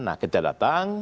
nah kita datang